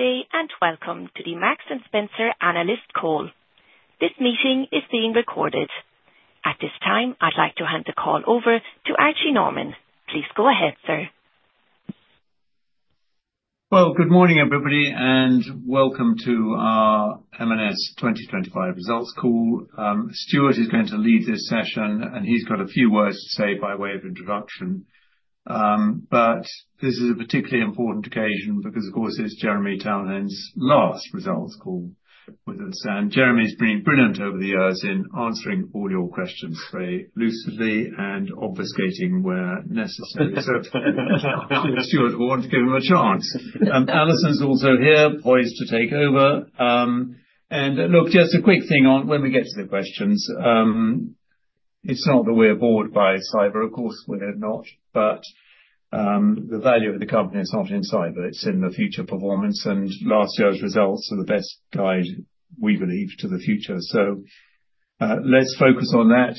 Good day and welcome to the Marks & Spencer Analyst Call. This meeting is being recorded. At this time, I'd like to hand the call over to Archie Norman. Please go ahead, sir. Good morning, everybody, and welcome to our M&S 2025 results call. Stuart is going to lead this session, and he has a few words to say by way of introduction. This is a particularly important occasion because, of course, it is Jeremy Townsend's last results call with us. Jeremy has been brilliant over the years in answering all your questions very lucidly and obfuscating where necessary. Stuart, we want to give him a chance. Alison is also here, poised to take over. Just a quick thing on when we get to the questions. It is not that we are bored by cyber, of course, we are not, but the value of the company is not in cyber. It is in the future performance, and last year's results are the best guide, we believe, to the future. Let us focus on that.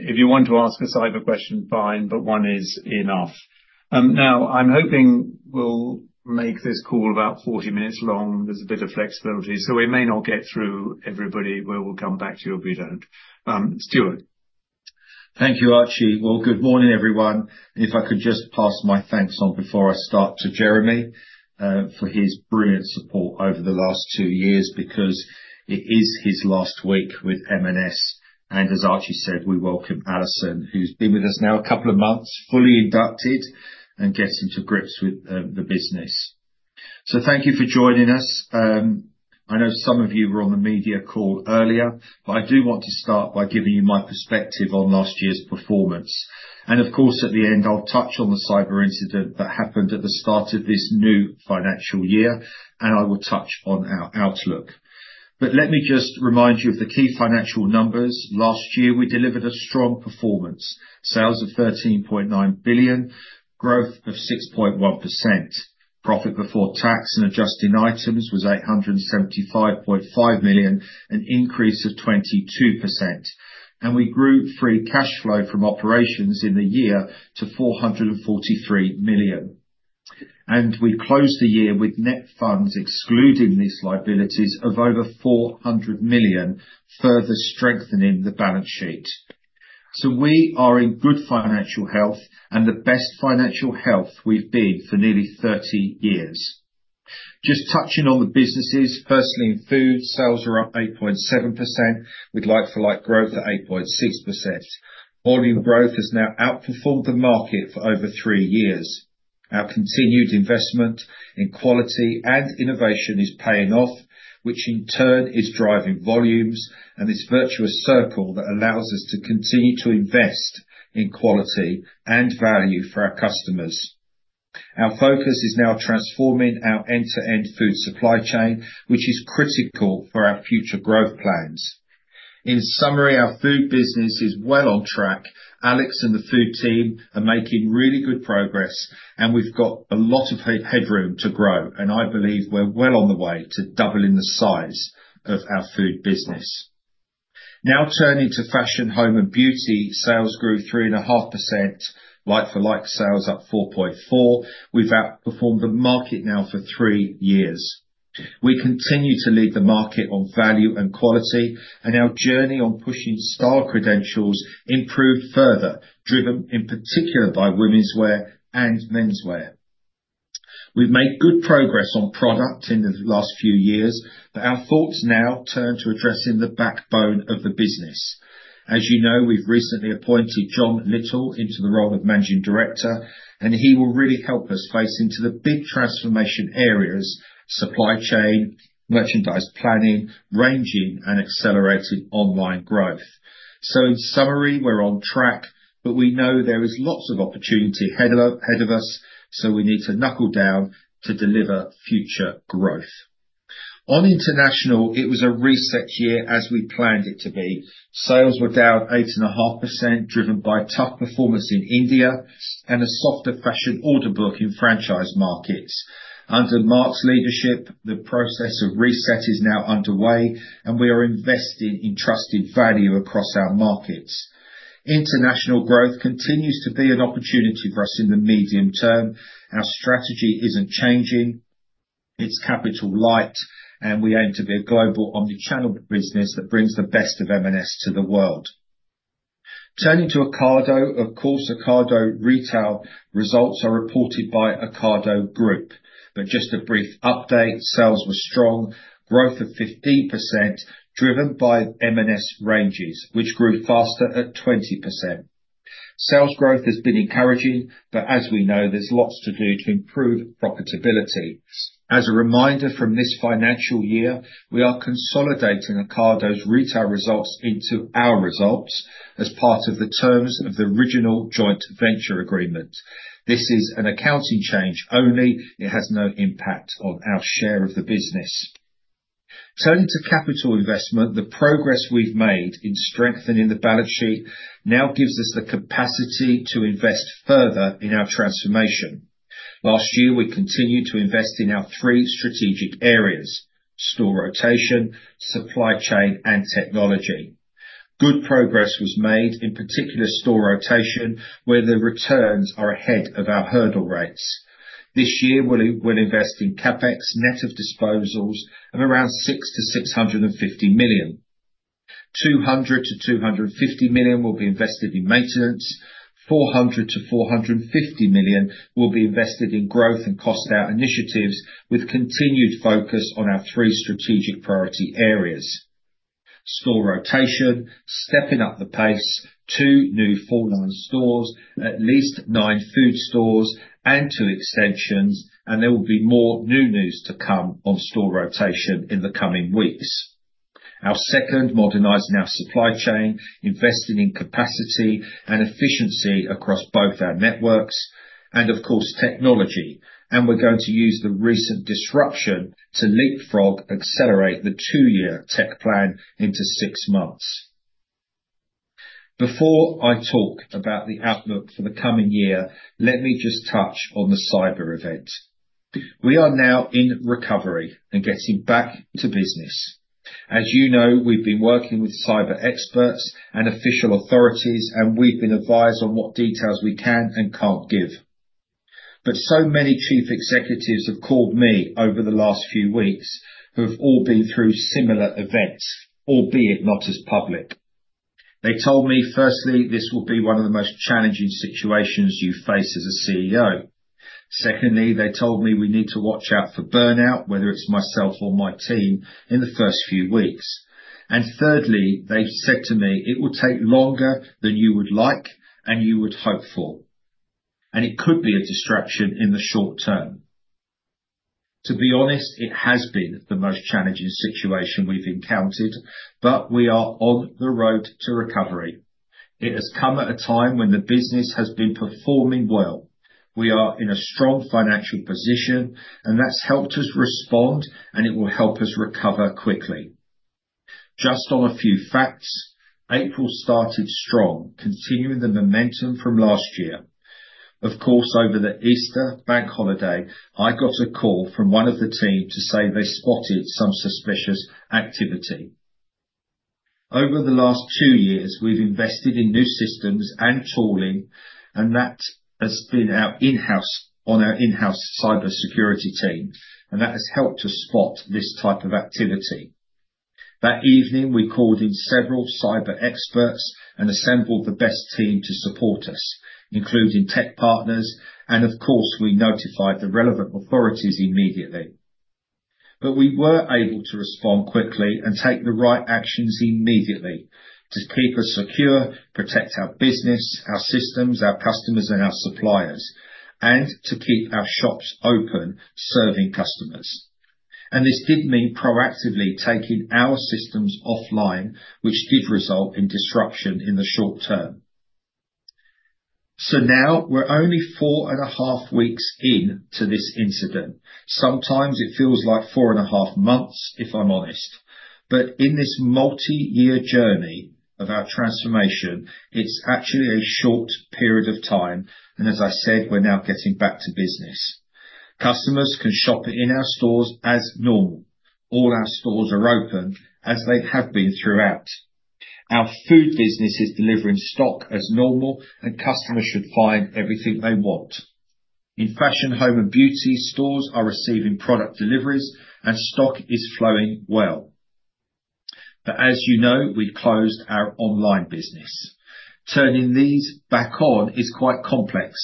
If you want to ask a cyber question, fine, but one is enough. Now, I'm hoping we'll make this call about 40 minutes long. There's a bit of flexibility, so we may not get through everybody. We will come back to you if we don't. Stuart. Thank you, Archie. Good morning, everyone. If I could just pass my thanks on before I start to Jeremy, for his brilliant support over the last two years because it is his last week with M&S. As Archie said, we welcome Alison, who's been with us now a couple of months, fully inducted and getting to grips with the business. Thank you for joining us. I know some of you were on the media call earlier, but I do want to start by giving you my perspective on last year's performance. Of course, at the end, I'll touch on the cyber incident that happened at the start of this new financial year, and I will touch on our outlook. Let me just remind you of the key financial numbers. Last year, we delivered a strong performance: sales of 13.9 billion, growth of 6.1%, profit before tax and adjusting items was 875.5 million, an increase of 22%. We grew free cash flow from operations in the year to 443 million. We closed the year with net funds excluding these liabilities of over 400 million, further strengthening the balance sheet. We are in good financial health and the best financial health we've been for nearly 30 years. Just touching on the businesses, firstly in food, sales are up 8.7%, with like-for-like growth at 8.6%. Food growth has now outperformed the market for over three years. Our continued investment in quality and innovation is paying off, which in turn is driving volumes and this virtuous circle that allows us to continue to invest in quality and value for our customers. Our focus is now transforming our end-to-end food supply chain, which is critical for our future growth plans. In summary, our food business is well on track. Alex and the food team are making really good progress, and we've got a lot of headroom to grow. I believe we're well on the way to doubling the size of our food business. Now turning to fashion, home and beauty, sales grew 3.5%, like-for-like sales up 4.4%. We've outperformed the market now for three years. We continue to lead the market on value and quality, and our journey on pushing star credentials improved further, driven in particular by women's wear and men's wear. We've made good progress on product in the last few years, but our thoughts now turn to addressing the backbone of the business. As you know, we've recently appointed John Lyttle into the role of Managing Director, and he will really help us face into the big transformation areas: supply chain, merchandise planning, ranging, and accelerating online growth. In summary, we're on track, but we know there is lots of opportunity ahead of us, so we need to knuckle down to deliver future growth. On international, it was a reset year as we planned it to be. Sales were down 8.5%, driven by tough performance in India and a softer fashion order book in franchise markets. Under Mark's leadership, the process of reset is now underway, and we are investing in trusted value across our markets. International growth continues to be an opportunity for us in the medium term. Our strategy isn't changing. It's capital light, and we aim to be a global omnichannel business that brings the best of M&S to the world. Turning to Ocado, of course, Ocado Retail results are reported by Ocado Group. Just a brief update, sales were strong, growth of 15%, driven by M&S ranges, which grew faster at 20%. Sales growth has been encouraging, but as we know, there's lots to do to improve profitability. As a reminder from this financial year, we are consolidating Ocado Retail's results into our results as part of the terms of the original joint venture agreement. This is an accounting change only. It has no impact on our share of the business. Turning to capital investment, the progress we've made in strengthening the balance sheet now gives us the capacity to invest further in our transformation. Last year, we continued to invest in our three strategic areas: store rotation, supply chain, and technology. Good progress was made, in particular store rotation, where the returns are ahead of our hurdle rates. This year, we'll invest in CapEx, net of disposals, of around 600 million-650 million. 200 million-250 million will be invested in maintenance. 400 million-450 million will be invested in growth and cost-out initiatives with continued focus on our three strategic priority areas: store rotation, stepping up the pace, two new full-time stores, at least nine food stores, and two extensions. There will be more new news to come on store rotation in the coming weeks. Our second, modernizing our supply chain, investing in capacity and efficiency across both our networks, and of course, technology. We're going to use the recent disruption to leapfrog, accelerate the two-year tech plan into six months. Before I talk about the outlook for the coming year, let me just touch on the cyber event. We are now in recovery and getting back to business. As you know, we've been working with cyber experts and official authorities, and we've been advised on what details we can and can't give. So many chief executives have called me over the last few weeks who have all been through similar events, albeit not as public. They told me, firstly, this will be one of the most challenging situations you face as a CEO. Secondly, they told me we need to watch out for burnout, whether it's myself or my team, in the first few weeks. Thirdly, they said to me, it will take longer than you would like and you would hope for. It could be a distraction in the short term. To be honest, it has been the most challenging situation we've encountered, but we are on the road to recovery. It has come at a time when the business has been performing well. We are in a strong financial position, and that's helped us respond, and it will help us recover quickly. Just on a few facts, April started strong, continuing the momentum from last year. Of course, over the Easter bank holiday, I got a call from one of the team to say they spotted some suspicious activity. Over the last two years, we've invested in new systems and tooling, and that has been on our in-house cybersecurity team, and that has helped us spot this type of activity. That evening, we called in several cyber experts and assembled the best team to support us, including tech partners. Of course, we notified the relevant authorities immediately. We were able to respond quickly and take the right actions immediately to keep us secure, protect our business, our systems, our customers, and our suppliers, and to keep our shops open serving customers. This did mean proactively taking our systems offline, which did result in disruption in the short term. Now we are only four and a half weeks into this incident. Sometimes it feels like four and a half months, if I'm honest. In this multi-year journey of our transformation, it is actually a short period of time. As I said, we are now getting back to business. Customers can shop in our stores as normal. All our stores are open as they have been throughout. Our food business is delivering stock as normal, and customers should find everything they want. In fashion, home and beauty stores are receiving product deliveries, and stock is flowing well. As you know, we closed our online business. Turning these back on is quite complex,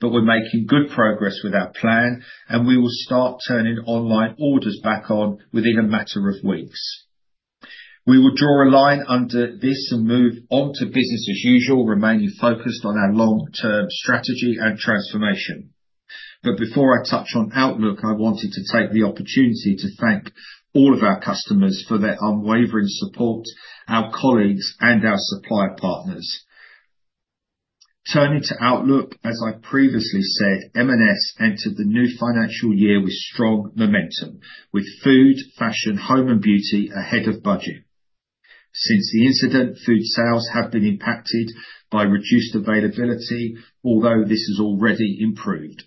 but we're making good progress with our plan, and we will start turning online orders back on within a matter of weeks. We will draw a line under this and move on to business as usual, remaining focused on our long-term strategy and transformation. Before I touch on Outlook, I wanted to take the opportunity to thank all of our customers for their unwavering support, our colleagues, and our supplier partners. Turning to Outlook, as I previously said, M&S entered the new financial year with strong momentum, with food, fashion, home, and beauty ahead of budget. Since the incident, food sales have been impacted by reduced availability, although this has already improved.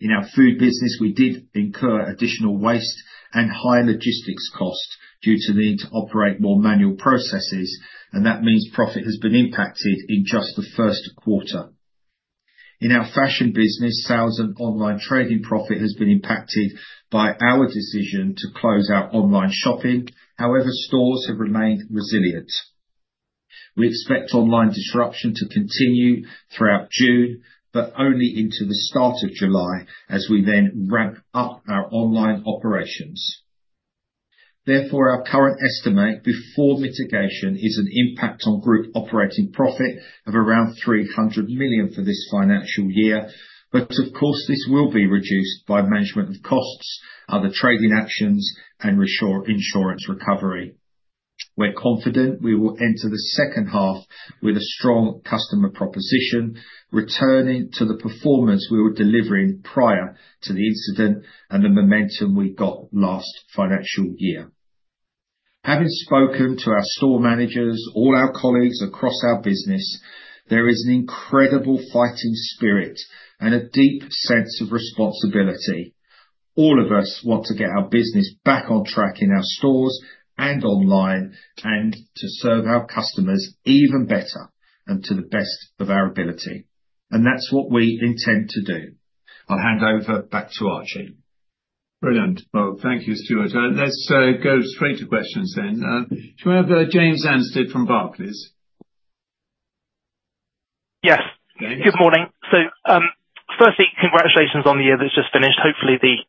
In our food business, we did incur additional waste and higher logistics costs due to the need to operate more manual processes, and that means profit has been impacted in just the first quarter. In our fashion business, sales and online trading profit has been impacted by our decision to close our online shopping. However, stores have remained resilient. We expect online disruption to continue throughout June, but only into the start of July as we then ramp up our online operations. Therefore, our current estimate before mitigation is an impact on group operating profit of around 300 million for this financial year. Of course, this will be reduced by management of costs, other trading actions, and insurance recovery. We're confident we will enter the second half with a strong customer proposition, returning to the performance we were delivering prior to the incident and the momentum we got last financial year. Having spoken to our store managers, all our colleagues across our business, there is an incredible fighting spirit and a deep sense of responsibility. All of us want to get our business back on track in our stores and online and to serve our customers even better and to the best of our ability. That is what we intend to do. I'll hand over back to Archie. Brilliant. Thank you, Stuart. Let's go straight to questions then. Do you have James Anstead from Barclays? Yes. Good morning. Firstly, congratulations on the year that's just finished. Hopefully, the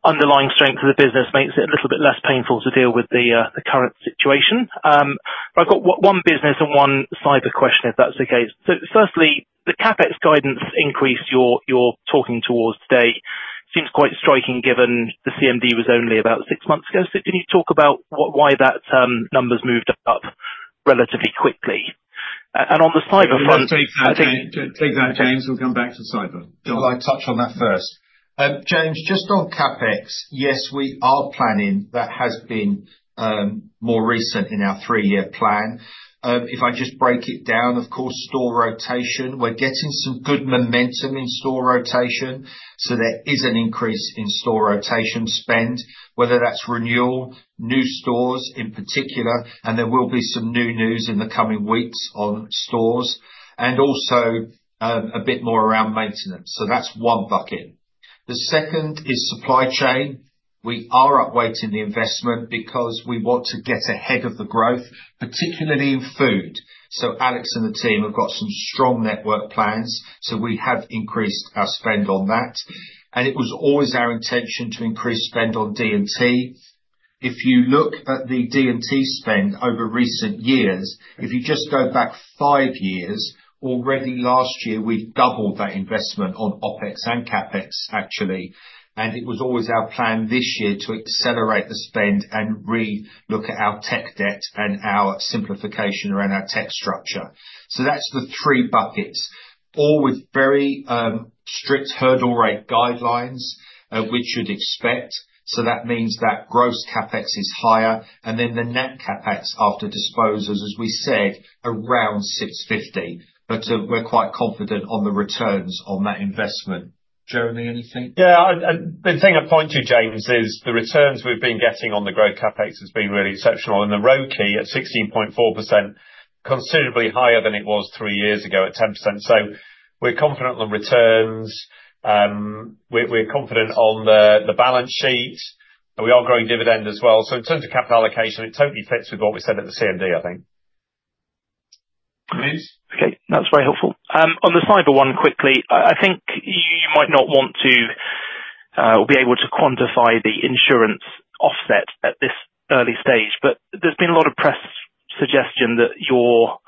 underlying strength of the business makes it a little bit less painful to deal with the current situation. I've got one business and one cyber question, if that's okay. Firstly, the CapEx guidance increase you're talking towards today seems quite striking given the CMD was only about six months ago. Can you talk about why that number's moved up relatively quickly? On the cyber front. Take that, James. We'll come back to cyber. I'll touch on that first. James, just on CapEx, yes, we are planning. That has been more recent in our three-year plan. If I just break it down, of course, store rotation. We're getting some good momentum in store rotation. There is an increase in store rotation spend, whether that's renewal, new stores in particular, and there will be some new news in the coming weeks on stores and also a bit more around maintenance. That's one bucket. The second is supply chain. We are upweighting the investment because we want to get ahead of the growth, particularly in food. Alex and the team have got some strong network plans. We have increased our spend on that. It was always our intention to increase spend on D&T. If you look at the D&T spend over recent years, if you just go back five years, already last year, we doubled that investment on OpEx and CapEx, actually. It was always our plan this year to accelerate the spend and re-look at our tech debt and our simplification around our tech structure. That is the three buckets, all with very strict hurdle rate guidelines, which you would expect. That means that gross CapEx is higher, and then the net CapEx after disposals, as we said, around 650 million. We are quite confident on the returns on that investment. Jeremy, anything? Yeah. The thing I'd point to, James, is the returns we've been getting on the growth CapEx has been really exceptional. And the ROIC at 16.4%, considerably higher than it was three years ago at 10%. So we're confident on the returns. We're confident on the balance sheet. We are growing dividend as well. In terms of capital allocation, it totally fits with what we said at the CMD, I think. Okay. That's very helpful. On the cyber one quickly, I think you might not want to be able to quantify the insurance offset at this early stage, but there's been a lot of press suggestion that your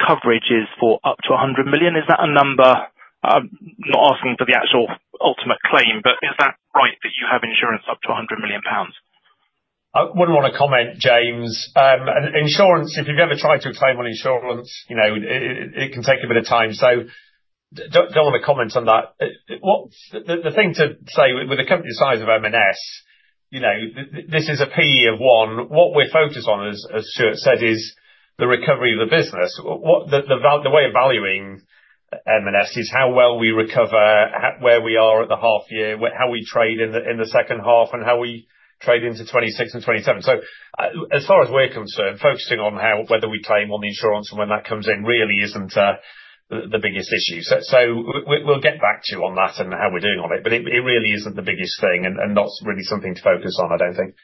coverage is for up to 100 million. Is that a number? I'm not asking for the actual ultimate claim, but is that right that you have insurance up to 100 million pounds? I wouldn't want to comment, James. Insurance, if you've ever tried to claim on insurance, it can take a bit of time. I don't want to comment on that. The thing to say with a company the size of M&S, this is a PE of one. What we're focused on, as Stuart said, is the recovery of the business. The way of valuing M&S is how well we recover, where we are at the half year, how we trade in the second half, and how we trade into 2026 and 2027. As far as we're concerned, focusing on whether we claim on the insurance and when that comes in really isn't the biggest issue. We'll get back to you on that and how we're doing on it, but it really isn't the biggest thing, and that's really something to focus on, I don't think.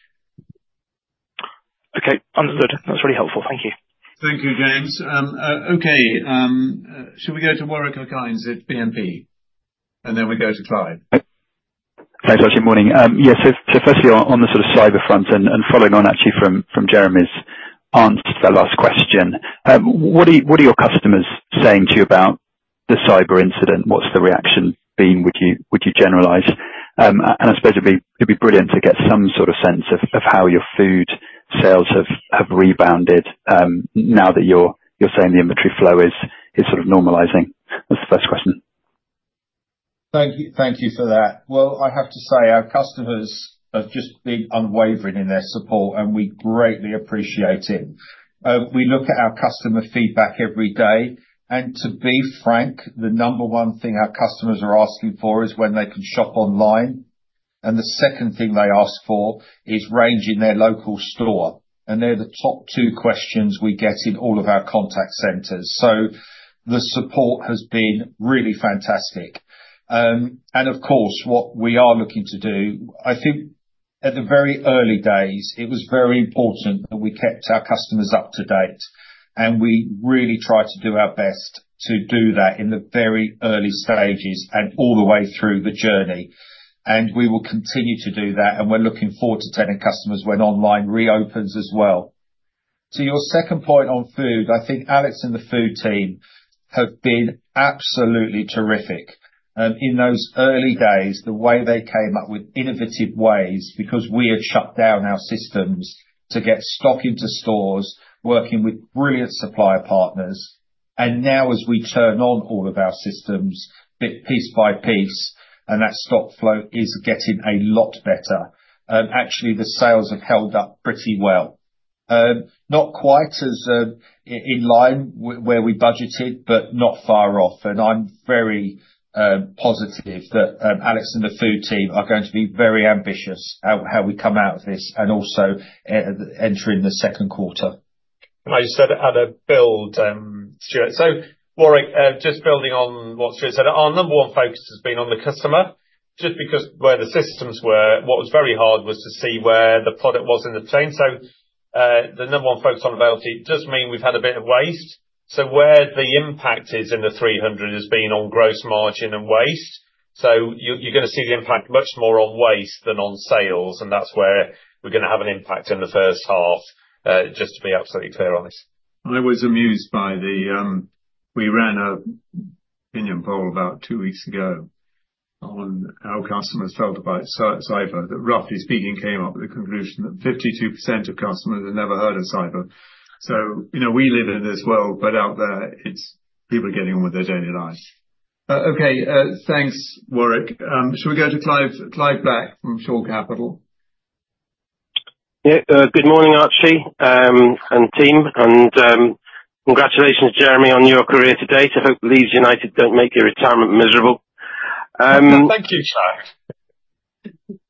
Okay. Understood. That's really helpful. Thank you. Thank you, James. Okay. Shall we go to Warwick Okines at BNP? And then we go to Clive. Thanks, Archie. Morning. Yes. So firstly, on the sort of cyber front and following on, actually, from Jeremy's answer to that last question, what are your customers saying to you about the cyber incident? What's the reaction been? Would you generalize? I suppose it'd be brilliant to get some sort of sense of how your food sales have rebounded now that you're saying the inventory flow is sort of normalizing. That's the first question. Thank you for that. I have to say our customers have just been unwavering in their support, and we greatly appreciate it. We look at our customer feedback every day. To be frank, the number one thing our customers are asking for is when they can shop online. The second thing they ask for is range in their local store. They are the top two questions we get in all of our contact centers. The support has been really fantastic. Of course, what we are looking to do, I think at the very early days, it was very important that we kept our customers up to date. We really tried to do our best to do that in the very early stages and all the way through the journey. We will continue to do that. We are looking forward to telling customers when online reopens as well. To your second point on food, I think Alex and the food team have been absolutely terrific. In those early days, the way they came up with innovative ways because we had shut down our systems to get stock into stores, working with brilliant supplier partners. Now, as we turn on all of our systems piece by piece, and that stock flow is getting a lot better. Actually, the sales have held up pretty well. Not quite as in line where we budgeted, but not far off. I am very positive that Alex and the food team are going to be very ambitious at how we come out of this and also entering the second quarter. I just had a build. Stuart. Warwick, just building on what Stuart said, our number one focus has been on the customer. Just because where the systems were, what was very hard was to see where the product was in the chain. The number one focus on availability does mean we have had a bit of waste. Where the impact is in the 300 has been on gross margin and waste. You're going to see the impact much more on waste than on sales. That's where we're going to have an impact in the first half, just to be absolutely clear on this. I was amused by the we ran an opinion poll about two weeks ago on how customers felt about cyber. Roughly speaking, came up with the conclusion that 52% of customers have never heard of cyber. We live in this world, but out there, people are getting on with their daily life. Okay. Thanks, Warwick. Shall we go to Clive Black from Shore Capital? Good morning, Archie and team. Congratulations, Jeremy, on your career today. Hope Leeds United do not make your retirement miserable. Thank you,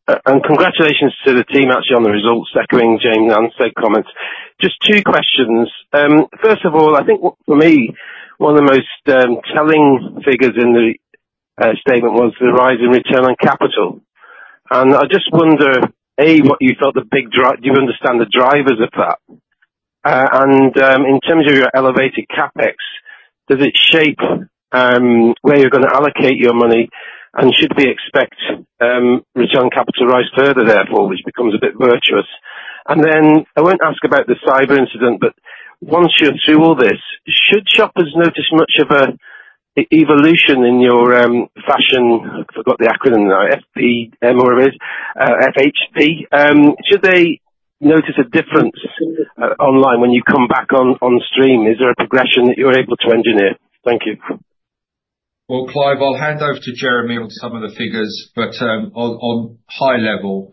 Clive. Congratulations to the team, actually, on the results, echoing James Anstead comments. Just two questions. First of all, I think for me, one of the most telling figures in the statement was the rise in return on capital. I just wonder, A, what you thought the big drive, do you understand the drivers of that? In terms of your elevated CapEx, does it shape where you're going to allocate your money and should we expect return on capital to rise further, therefore, which becomes a bit virtuous? I will not ask about the cyber incident, but once you're through all this, should shoppers notice much of an evolution in your fashion? I forgot the acronym now, FPM or whatever it is, FHP. Should they notice a difference online when you come back on stream? Is there a progression that you're able to engineer? Thank you. Clive, I will hand over to Jeremy with some of the figures. At a high level,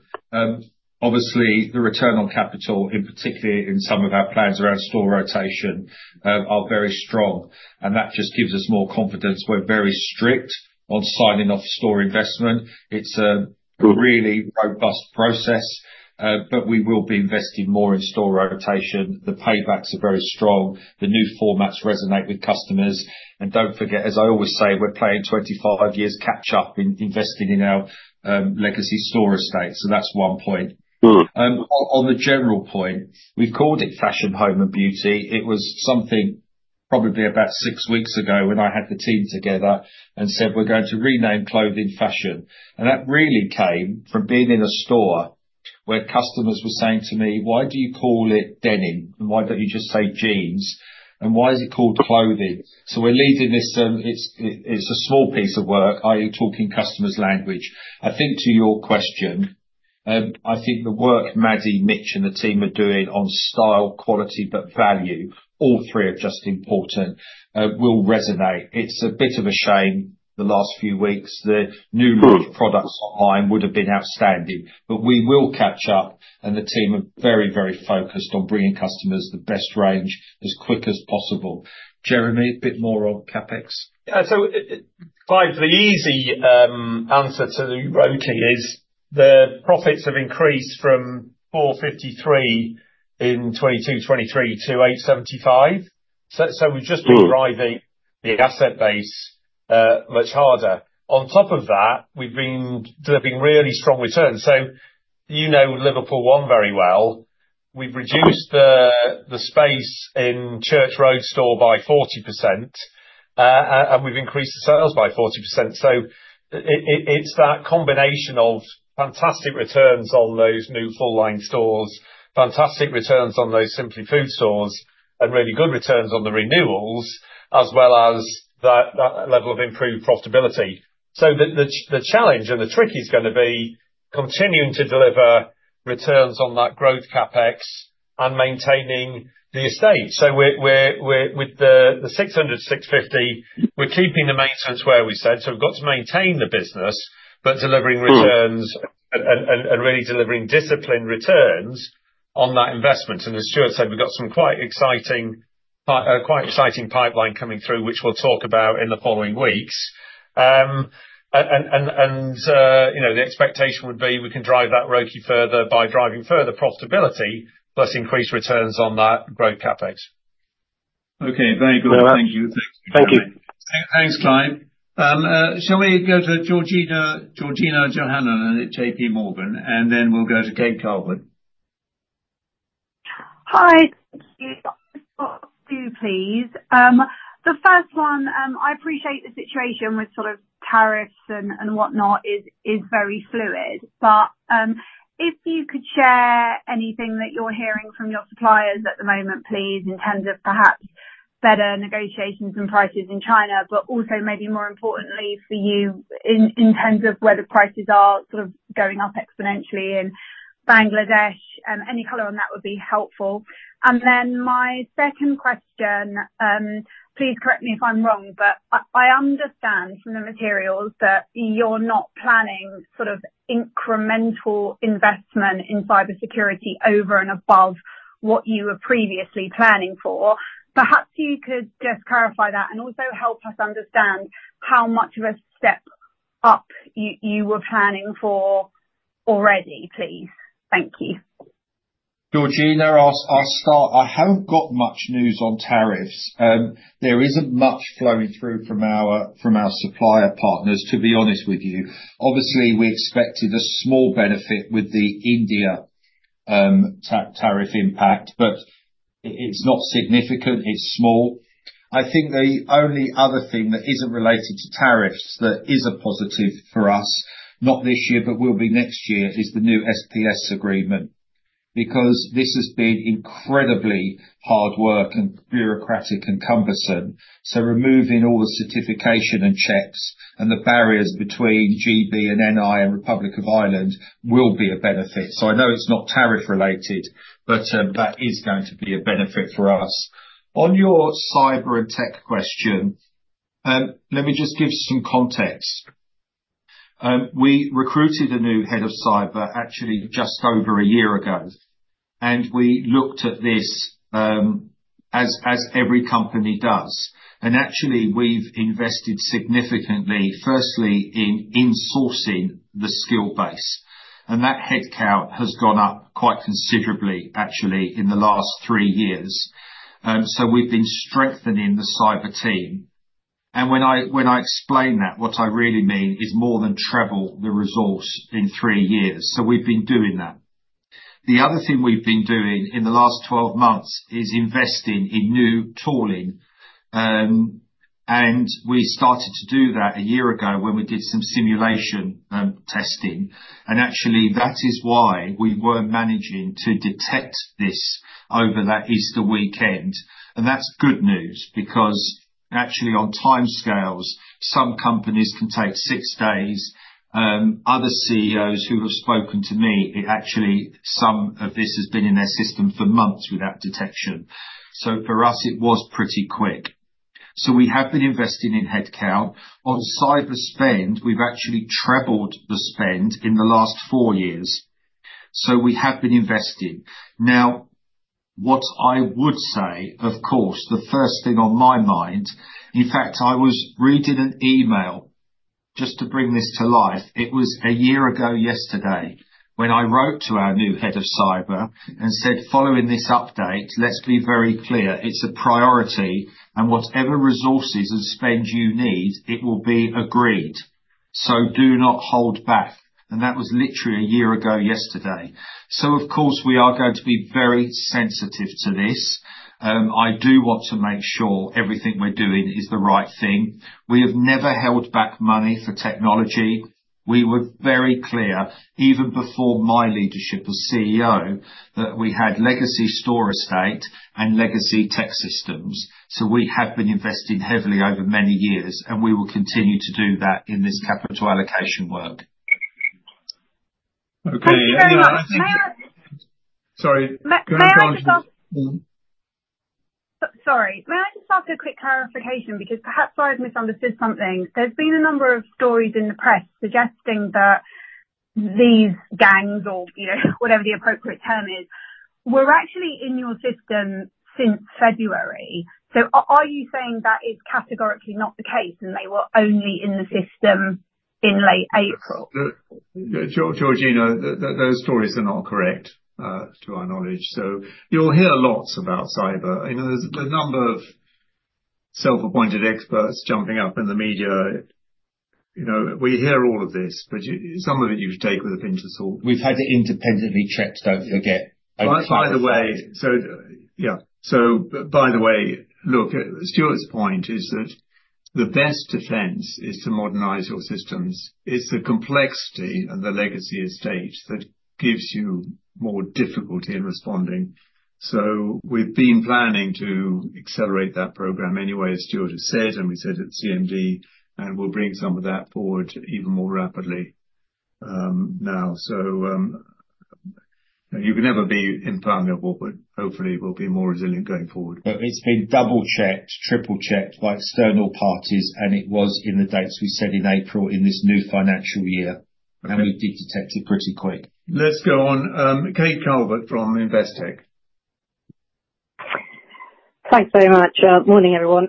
obviously, the return on capital, in particular in some of our plans around store rotation, are very strong. That just gives us more confidence. We're very strict on signing off store investment. It's a really robust process, but we will be investing more in store rotation. The paybacks are very strong. The new formats resonate with customers. Do not forget, as I always say, we're playing 25 years catch-up in investing in our legacy store estate. That is one point. On the general point, we've called it fashion, home, and beauty. It was something probably about six weeks ago when I had the team together and said, "We're going to rename clothing fashion." That really came from being in a store where customers were saying to me, "Why do you call it denim? Why don't you just say jeans? Why is it called clothing?" We are leading this. It is a small piece of work, i.e., talking customers' language. I think to your question, the work Maddie, Mitch, and the team are doing on style, quality, but value, all three are just important, will resonate. It is a bit of a shame the last few weeks. The new launch products online would have been outstanding, but we will catch up. The team are very, very focused on bringing customers the best range as quick as possible. Jeremy, a bit more on CapEx. Yeah. The easy answer to the ROIC is the profits have increased from 453 million in 2022-2023 to 875 million. We have just been driving the asset base much harder. On top of that, we have been delivering really strong returns. You know Liverpool ONE very well. We've reduced the space in Church Road store by 40%, and we've increased the sales by 40%. It is that combination of fantastic returns on those new full-line stores, fantastic returns on those Simply Food stores, and really good returns on the renewals, as well as that level of improved profitability. The challenge and the trick is going to be continuing to deliver returns on that growth CapEx and maintaining the estate. With the 600-650 million, we're keeping the maintenance where we said. We've got to maintain the business, but delivering returns and really delivering disciplined returns on that investment. As Stuart said, we've got some quite exciting pipeline coming through, which we'll talk about in the following weeks. The expectation would be we can drive that ROIC further by driving further profitability, plus increased returns on that growth CapEx. Okay. Very good. Thank you. Thank you. Thanks, Clive. Shall we go to Georgina Johanan and JPMorgan, and then we'll go to Kate Colbert? Hi. I've got a few, please. The first one, I appreciate the situation with sort of tariffs and whatnot is very fluid. If you could share anything that you're hearing from your suppliers at the moment, please, in terms of perhaps better negotiations and prices in China, but also, maybe more importantly for you, in terms of where the prices are sort of going up exponentially in Bangladesh. Any color on that would be helpful. My second question, please correct me if I'm wrong, but I understand from the materials that you're not planning sort of incremental investment in cybersecurity over and above what you were previously planning for. Perhaps you could just clarify that and also help us understand how much of a step up you were planning for already, please. Thank you. Georgina, I'll start. I haven't got much news on tariffs. There isn't much flowing through from our supplier partners, to be honest with you. Obviously, we expected a small benefit with the India tax tariff impact, but it's not significant. It's small. I think the only other thing that isn't related to tariffs that is a positive for us, not this year, but will be next year, is the new SPS agreement. This has been incredibly hard work and bureaucratic and cumbersome. Removing all the certification and checks and the barriers between GB and NI and Republic of Ireland will be a benefit. I know it's not tariff-related, but that is going to be a benefit for us. On your cyber and tech question, let me just give some context. We recruited a new head of cyber, actually, just over a year ago. We looked at this as every company does. Actually, we've invested significantly, firstly, in sourcing the skill base. That headcount has gone up quite considerably, actually, in the last three years. We have been strengthening the cyber team. When I explain that, what I really mean is more than treble the resource in three years. We have been doing that. The other thing we've been doing in the last 12 months is investing in new tooling. We started to do that a year ago when we did some simulation testing. Actually, that is why we were managing to detect this over that Easter weekend. That is good news because, actually, on timescales, some companies can take six days. Other CEOs who have spoken to me, actually, some of this has been in their system for months without detection. For us, it was pretty quick. We have been investing in headcount. On cyber spend, we have actually trebled the spend in the last four years. We have been investing. What I would say, of course, the first thing on my mind, in fact, I was reading an email just to bring this to life. It was a year ago yesterday when I wrote to our new head of cyber and said, "Following this update, let's be very clear. It's a priority. Whatever resources and spend you need, it will be agreed. Do not hold back." That was literally a year ago yesterday. Of course, we are going to be very sensitive to this. I do want to make sure everything we're doing is the right thing. We have never held back money for technology. We were very clear, even before my leadership as CEO, that we had legacy store estate and legacy tech systems. We have been investing heavily over many years, and we will continue to do that in this capital allocation work. Okay. Sorry. Sorry. May I just ask a quick clarification? Because perhaps I've misunderstood something. There have been a number of stories in the press suggesting that these gangs, or whatever the appropriate term is, were actually in your system since February. Are you saying that is categorically not the case and they were only in the system in late April? Georgina, those stories are not correct to our knowledge. You'll hear lots about cyber. The number of self-appointed experts jumping up in the media, we hear all of this, but some of it you could take with a pinch of salt. We've had to independently check, don't forget. By the way, yeah. By the way, look, Stuart's point is that the best defense is to modernize your systems. It's the complexity and the legacy estate that gives you more difficulty in responding. We've been planning to accelerate that program anyway, as Stuart has said, and we said at CMD, and we'll bring some of that forward even more rapidly now. You can never be impermeable, but hopefully, we'll be more resilient going forward. It's been double-checked, triple-checked by external parties, and it was in the dates we said in April in this new financial year. We did detect it pretty quick. Let's go on. Kate Colbert from Investech. Thanks very much. Morning, everyone.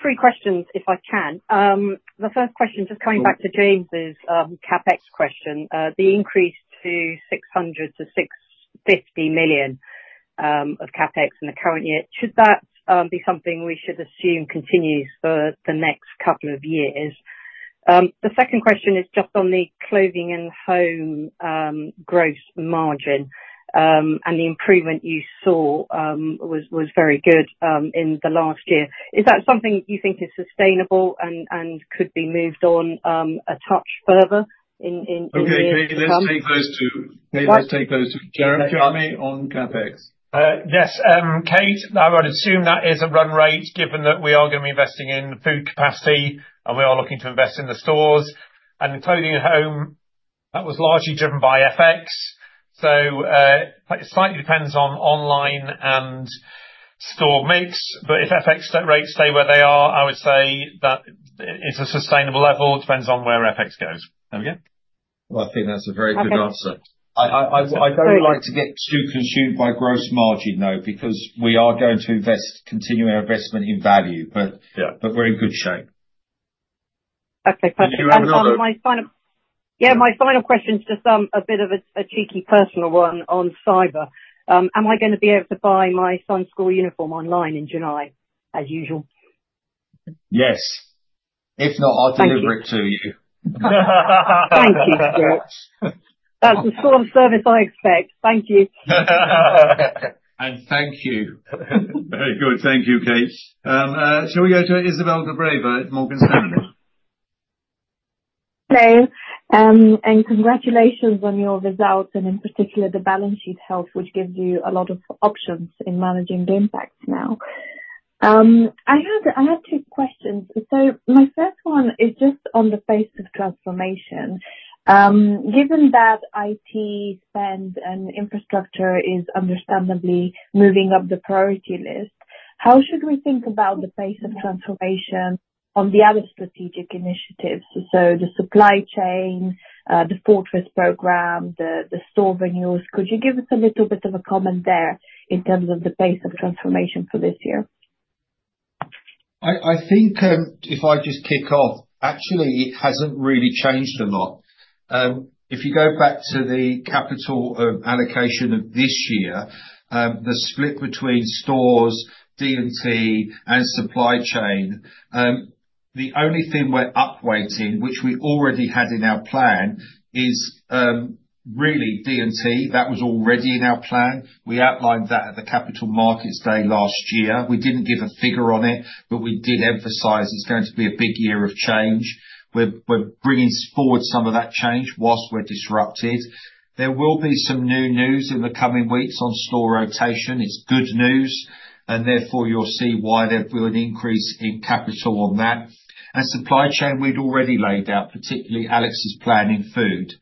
Three questions, if I can. The first question, just coming back to James's CapEx question, the increase to 600 million-650 million of CapEx in the current year, should that be something we should assume continues for the next couple of years? The second question is just on the clothing and home gross margin, and the improvement you saw was very good in the last year. Is that something you think is sustainable and could be moved on a touch further in the year? Okay. Let's take those two. Maybe let's take those two. Jeremy, on CapEx. Yes. Kate, I would assume that is a run rate given that we are going to be investing in food capacity, and we are looking to invest in the stores. And clothing and home, that was largely driven by FX. It slightly depends on online and store mix. If FX rates stay where they are, I would say that it's a sustainable level. It depends on where FX goes. There we go. I think that's a very good answer. I don't like to get too consumed by gross margin, though, because we are going to invest, continue our investment in value, but we're in good shape. Okay. Perfect. Yeah. My final question is just a bit of a cheeky personal one on cyber. Am I going to be able to buy my son's school uniform online in July, as usual? Yes. If not, I'll deliver it to you. Thank you, Stuart. That's the sort of service I expect. Thank you. Thank you. Very good. Thank you, Kate. Shall we go to Izabel Dobreva at Morgan Stanley? Hello. Congratulations on your results and, in particular, the balance sheet health, which gives you a lot of options in managing the impact now. I have two questions. My first one is just on the pace of transformation. Given that IT spend and infrastructure is understandably moving up the priority list, how should we think about the pace of transformation on the other strategic initiatives? The supply chain, the fortress program, the store venues. Could you give us a little bit of a comment there in terms of the pace of transformation for this year? I think if I just kick off, actually, it has not really changed a lot. If you go back to the capital allocation of this year, the split between stores, D&T, and supply chain, the only thing we are upweighting, which we already had in our plan, is really D&T. That was already in our plan. We outlined that at the Capital Markets Day last year. We did not give a figure on it, but we did emphasize it is going to be a big year of change. We are bringing forward some of that change whilst we are disrupted. There will be some new news in the coming weeks on store rotation. It is good news. Therefore, you will see why there will be an increase in capital on that. Supply chain, we had already laid out, particularly Alex's plan in food.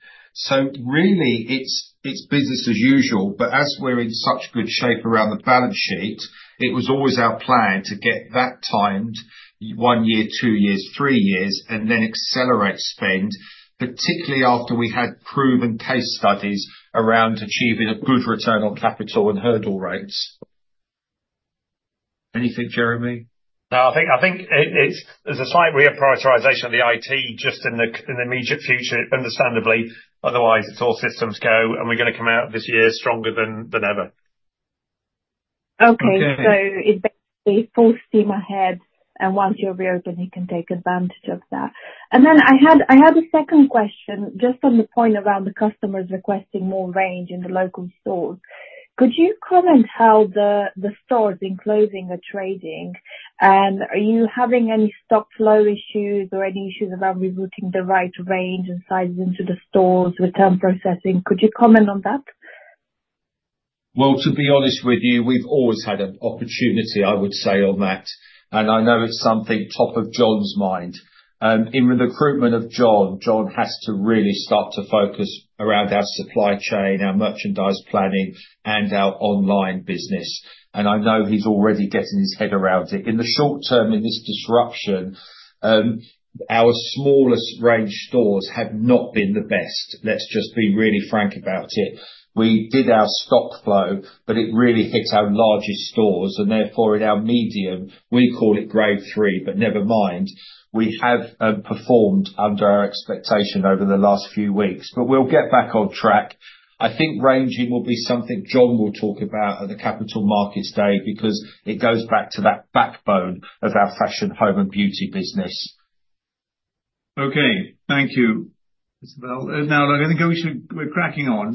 It is really business as usual. As we are in such good shape around the balance sheet, it was always our plan to get that timed one year, two years, three years, and then accelerate spend, particularly after we had proven case studies around achieving a good return on capital and hurdle rates. Anything, Jeremy? No, I think there's a slight re-prioritization of the IT just in the immediate future, understandably. Otherwise, it's all systems go, and we're going to come out of this year stronger than ever. Okay. It's basically full steam ahead, and once you're reopened, you can take advantage of that. I had a second question just on the point around the customers requesting more range in the local stores. Could you comment how the stores in clothing are trading? Are you having any stock flow issues or any issues around rebooting the right range and sizes into the stores with term processing? Could you comment on that? To be honest with you, we've always had an opportunity, I would say, on that. I know it's something top of John's mind. In the recruitment of John, John has to really start to focus around our supply chain, our merchandise planning, and our online business. I know he's already getting his head around it. In the short term, in this disruption, our smallest range stores have not been the best. Let's just be really frank about it. We did our stock flow, but it really hit our largest stores. Therefore, in our medium, we call it grade three, but never mind. We have performed under our expectation over the last few weeks, but we'll get back on track. I think ranging will be something John will talk about at the Capital Markets Day because it goes back to that backbone of our fashion, home, and beauty business. Okay. Thank you, Izabel. Now, I think we're cracking on.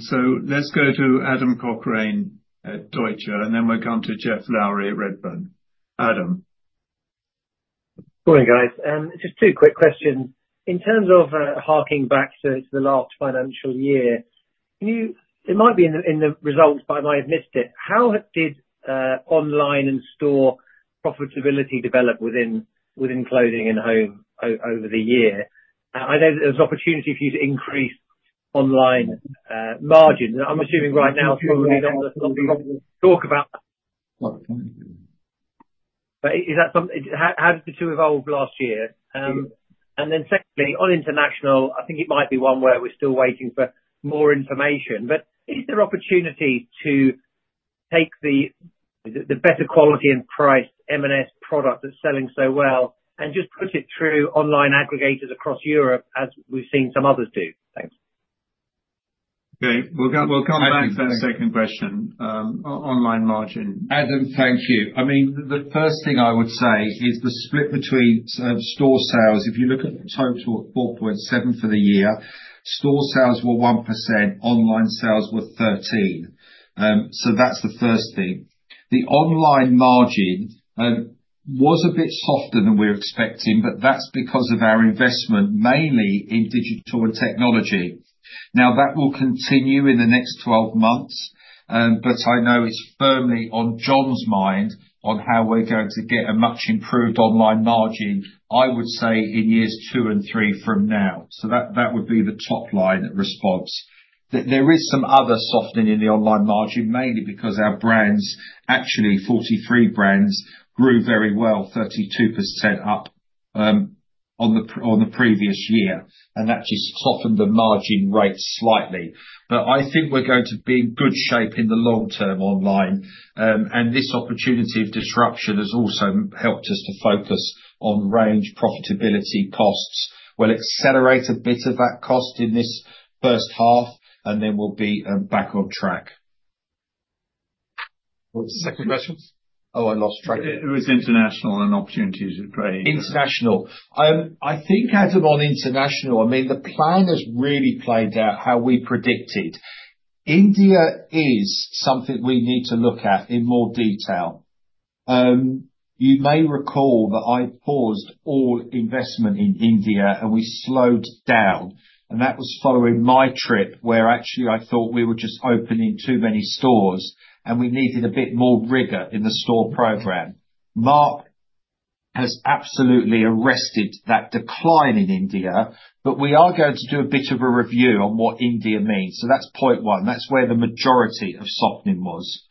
Let's go to Adam Cochrane at Deutsche Bank, and then we'll come to Geoff Lowery at Redburn. Adam. Morning, guys. Just two quick questions. In terms of harking back to the last financial year, it might be in the results, but I might have missed it. How did online and store profitability develop within clothing and home over the year? I know there's an opportunity for you to increase online margins. I'm assuming right now, probably not the topic of talk about. Is that something? How did the two evolve last year? Secondly, on international, I think it might be one where we're still waiting for more information. Is there opportunity to take the better quality and price M&S product that's selling so well and just put it through online aggregators across Europe, as we've seen some others do? Thanks. Okay. We'll come back to that second question. Online margin. Adam, thank you. I mean, the first thing I would say is the split between store sales. If you look at the total of 4.7 for the year, store sales were 1%. Online sales were 13%. That's the first thing. The online margin was a bit softer than we were expecting, but that's because of our investment mainly in digital and technology. Now, that will continue in the next 12 months, but I know it's firmly on John's mind on how we're going to get a much improved online margin, I would say, in years two and three from now. That would be the top line response. There is some other softening in the online margin, mainly because our brands, actually 43 brands, grew very well, 32% up on the previous year, and that just softened the margin rate slightly. I think we're going to be in good shape in the long term online. This opportunity of disruption has also helped us to focus on range, profitability, costs. We'll accelerate a bit of that cost in this first half, and then we'll be back on track. What's the second question? Oh, I lost track. It was international and opportunities of trade. International. I think, Adam, on international, I mean, the plan has really played out how we predicted. India is something we need to look at in more detail. You may recall that I paused all investment in India, and we slowed down. That was following my trip, where actually I thought we were just opening too many stores, and we needed a bit more rigor in the store program. Mark has absolutely arrested that decline in India, but we are going to do a bit of a review on what India means. That is point one. That is where the majority of softening was.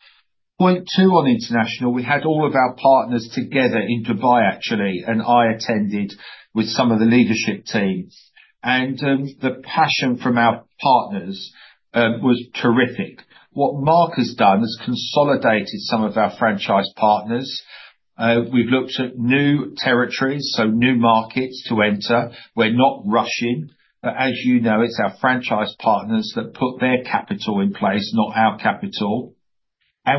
Point two on international, we had all of our partners together in Dubai, actually, and I attended with some of the leadership team. The passion from our partners was terrific. What Mark has done is consolidated some of our franchise partners. We have looked at new territories, so new markets to enter. We are not rushing. As you know, it is our franchise partners that put their capital in place, not our capital.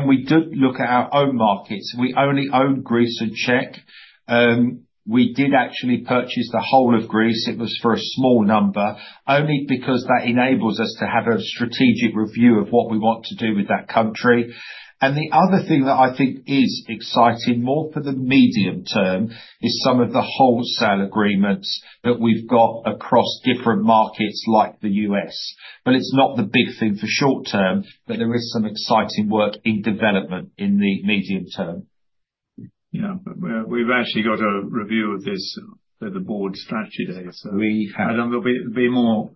We did look at our own markets. We only own Greece and Czech. We did actually purchase the whole of Greece. It was for a small number, only because that enables us to have a strategic review of what we want to do with that country. The other thing that I think is exciting, more for the medium term, is some of the wholesale agreements that we've got across different markets like the U.S. It's not the big thing for short term, but there is some exciting work in development in the medium term. Yeah. We've actually got a review of this at the board strategy day. We have. I don't know. There'll be more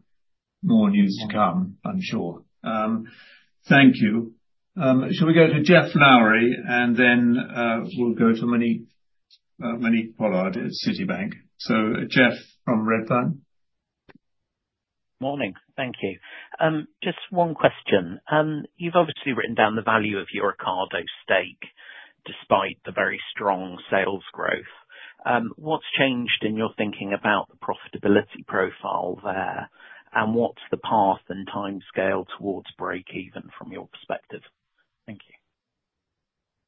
news to come, I'm sure. Thank you. Shall we go to Geoff Lowery, and then we'll go to Monique Pollard at Citibank? Geoff from Redburn. Morning. Thank you. Just one question. You've obviously written down the value of your Ocado stake despite the very strong sales growth. What's changed in your thinking about the profitability profile there, and what's the path and time scale towards break-even from your perspective? Thank you.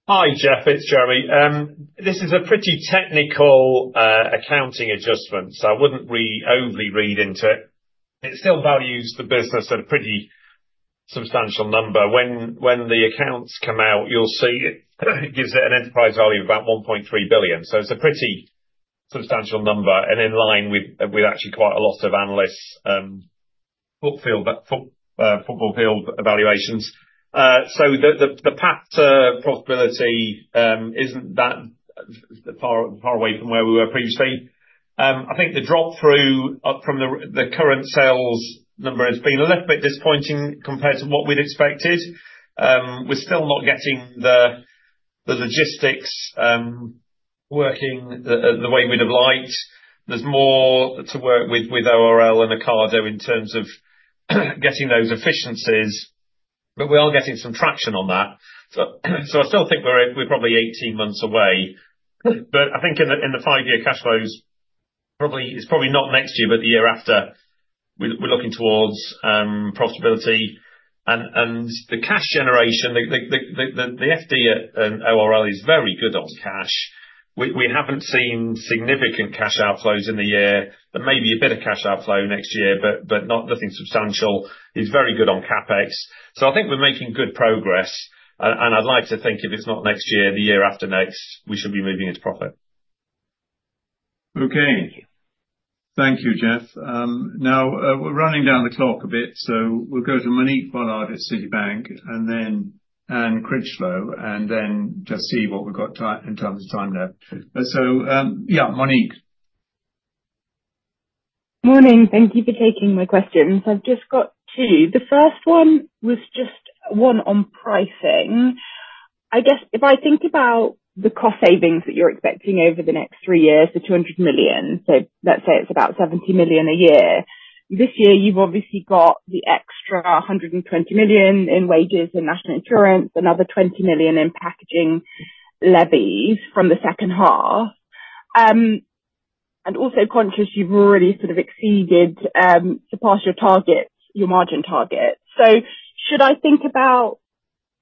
Hi, Jeff. It's Jeremy. This is a pretty technical accounting adjustment, so I wouldn't overly read into it. It still values the business at a pretty substantial number. When the accounts come out, you'll see it gives it an enterprise value of about 1.3 billion. So it's a pretty substantial number and in line with actually quite a lot of analysts' football field evaluations. The path to profitability isn't that far away from where we were previously. I think the drop through from the current sales number has been a little bit disappointing compared to what we'd expected. We're still not getting the logistics working the way we'd have liked. There's more to work with ORL and Ocado in terms of getting those efficiencies, but we are getting some traction on that. I still think we're probably 18 months away. I think in the five-year cash flows, it's probably not next year, but the year after, we're looking towards profitability. The cash generation, the FD at ORL is very good on cash. We haven't seen significant cash outflows in the year, but maybe a bit of cash outflow next year, but nothing substantial. He's very good on CapEx. I think we're making good progress. I'd like to think if it's not next year, the year after next, we should be moving into profit. Okay. Thank you, Geoff. Now, we're running down the clock a bit. We'll go to Monique Pollard at Citibank and then Anne Critchlow and then just see what we've got in terms of time there. Yeah, Monique. Morning. Thank you for taking my questions. I've just got two. The first one was just one on pricing. I guess if I think about the cost savings that you're expecting over the next three years, the 200 million, so let's say it's about 70 million a year, this year, you've obviously got the extra 120 million in wages and national insurance, another 20 million in packaging levies from the second half. Also conscious you've already sort of exceeded to pass your targets, your margin targets. Should I think about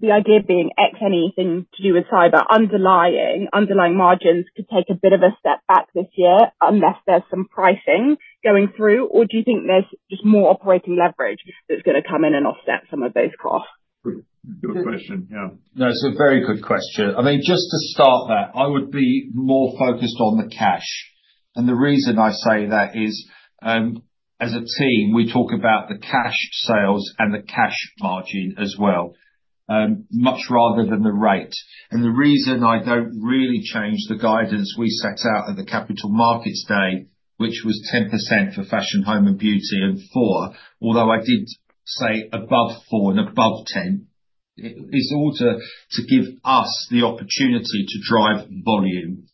the idea of being X anything to do with cyber, underlying margins could take a bit of a step back this year unless there is some pricing going through, or do you think there is just more operating leverage that is going to come in and offset some of those costs? Good question. Yeah. No, it is a very good question. I mean, just to start there, I would be more focused on the cash. And the reason I say that is, as a team, we talk about the cash sales and the cash margin as well, much rather than the rate. And the reason I do not really change the guidance we set out at the Capital Markets Day, which was 10% for fashion, home, and beauty and four, although I did say above four and above 10, is all to give us the opportunity to drive volume.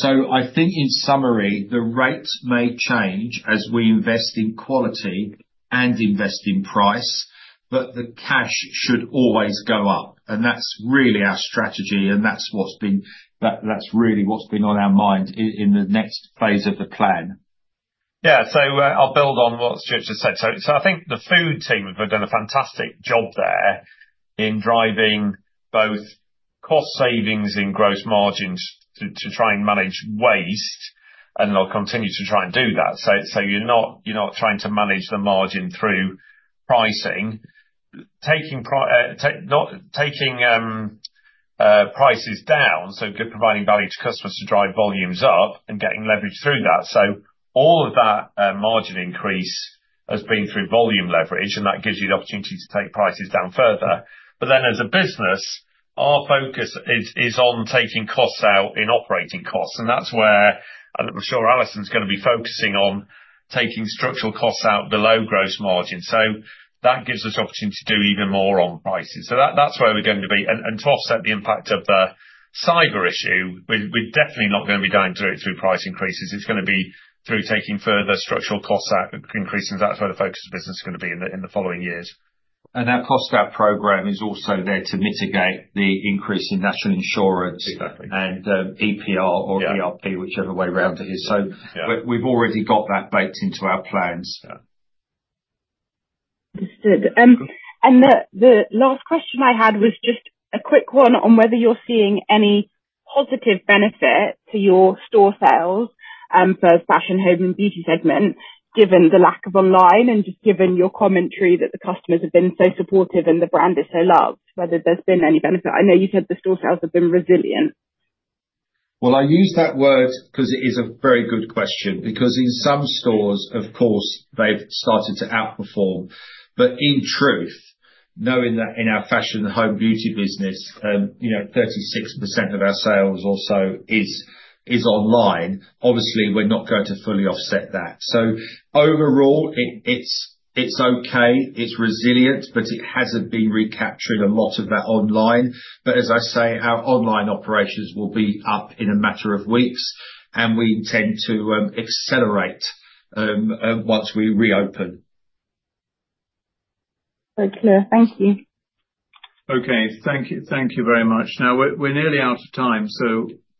I think in summary, the rate may change as we invest in quality and invest in price, but the cash should always go up. That is really our strategy, and that is really what has been on our mind in the next phase of the plan. Yeah. I will build on what Stuart just said. I think the food team have done a fantastic job there in driving both cost savings in gross margins to try and manage waste, and they will continue to try and do that. You are not trying to manage the margin through pricing, not taking prices down, so providing value to customers to drive volumes up and getting leverage through that. All of that margin increase has been through volume leverage, and that gives you the opportunity to take prices down further. As a business, our focus is on taking costs out in operating costs. That is where I am sure Alison is going to be focusing on taking structural costs out below gross margin. That gives us the opportunity to do even more on prices. That is where we are going to be. To offset the impact of the cyber issue, we are definitely not going to be dying through it through price increases. It is going to be through taking further structural costs out increases. That is where the focus of business is going to be in the following years. Our cost gap program is also there to mitigate the increase in national insurance and EPR or ERP, whichever way around it is. We have already got that baked into our plans. Understood. The last question I had was just a quick one on whether you're seeing any positive benefit to your store sales for fashion, home, and beauty segment, given the lack of online and just given your commentary that the customers have been so supportive and the brand is so loved, whether there's been any benefit. I know you said the store sales have been resilient. I use that word because it is a very good question because in some stores, of course, they've started to outperform. In truth, knowing that in our fashion, home, beauty business, 36% of our sales also is online, obviously, we're not going to fully offset that. Overall, it's okay. It's resilient, but it hasn't been recapturing a lot of that online. As I say, our online operations will be up in a matter of weeks, and we intend to accelerate once we reopen. Very clear. Thank you. Okay. Thank you very much. Now, we're nearly out of time.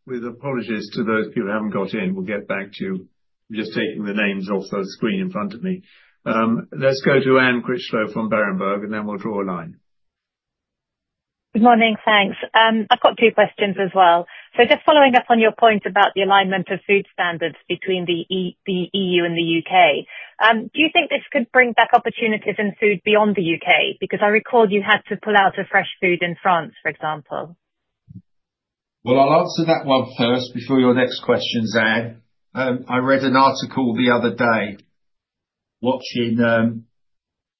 With apologies to those people who have not got in, we'll get back to just taking the names off the screen in front of me. Let's go to Anne Critchlow from Berenberg, and then we'll draw a line. Good morning. Thanks. I've got two questions as well. Just following up on your point about the alignment of food standards between the EU and the U.K., do you think this could bring back opportunities in food beyond the U.K.? I recall you had to pull out of fresh food in France, for example. I'll answer that one first before your next questions, Anne. I read an article the other day watching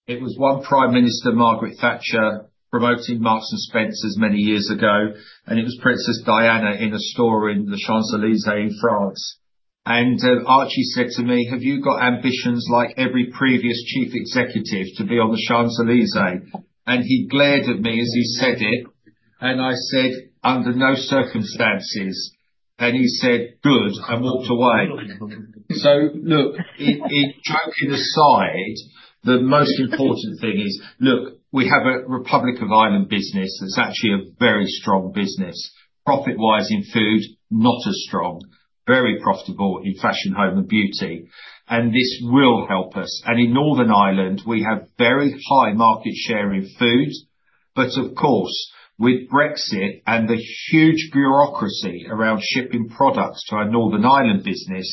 it was one Prime Minister, Margaret Thatcher, promoting Marks & Spencer many years ago, and it was Princess Diana in a store in the Champs-Élysées in France. Archie said to me, "Have you got ambitions like every previous chief executive to be on the Champs-Élysées?" He glared at me as he said it. I said, "Under no circumstances." He said, "Good." He walked away. In joking aside, the most important thing is, look, we have a Republic of Ireland business that's actually a very strong business. Profit-wise in food, not as strong. Very profitable in fashion, home, and beauty. This will help us. In Northern Ireland, we have very high market share in food. Of course, with Brexit and the huge bureaucracy around shipping products to our Northern Ireland business,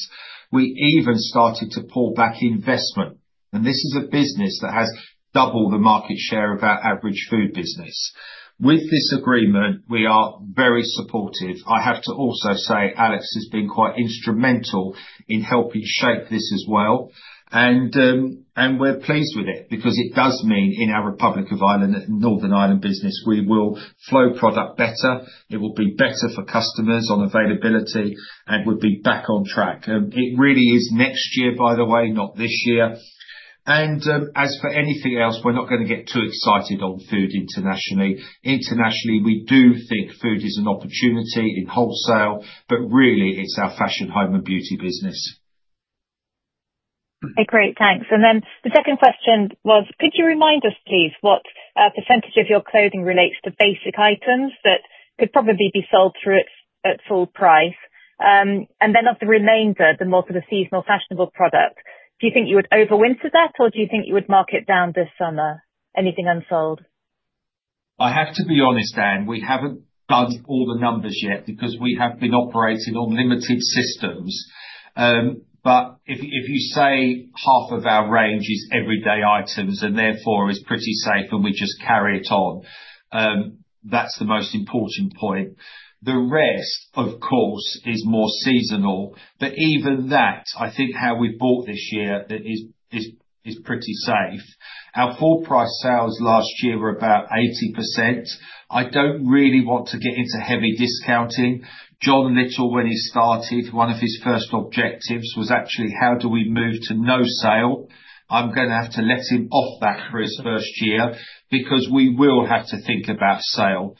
we even started to pull back investment. This is a business that has double the market share of our average food business. With this agreement, we are very supportive. I have to also say Alex has been quite instrumental in helping shape this as well. We are pleased with it because it does mean in our Republic of Ireland and Northern Ireland business, we will flow product better. It will be better for customers on availability, and we will be back on track. It really is next year, by the way, not this year. As for anything else, we are not going to get too excited on food internationally. Internationally, we do think food is an opportunity in wholesale, but really, it is our fashion, home, and beauty business. Okay. Great. Thanks. The second question was, could you remind us, please, what percentage of your clothing relates to basic items that could probably be sold through at full price? Of the remainder, the more sort of seasonal fashionable product, do you think you would overwinter that, or do you think you would mark it down this summer? Anything unsold? I have to be honest, Anne, we have not done all the numbers yet because we have been operating on limited systems. If you say half of our range is everyday items and therefore is pretty safe and we just carry it on, that is the most important point. The rest, of course, is more seasonal. Even that, I think how we have bought this year is pretty safe. Our full-price sales last year were about 80%. I do not really want to get into heavy discounting. John Lyttle, when he started, one of his first objectives was actually how do we move to no sale. I'm going to have to let him off that for his first year because we will have to think about sale.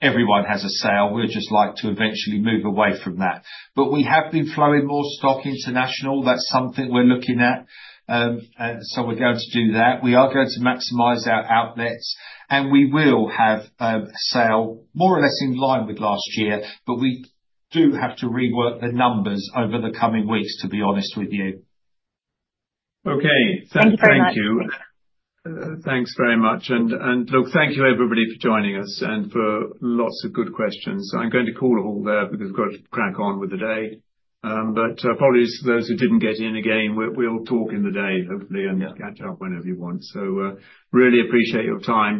Everyone has a sale. We'd just like to eventually move away from that. We have been flowing more stock international. That's something we're looking at. We are going to do that. We are going to maximize our outlets, and we will have a sale more or less in line with last year, but we do have to rework the numbers over the coming weeks, to be honest with you. Okay. Thank you. Thanks very much. Look, thank you, everybody, for joining us and for lots of good questions. I'm going to call it all there because we've got to crack on with the day. Apologies to those who didn't get in again. We'll talk in the day, hopefully, and catch up whenever you want. Really appreciate your time.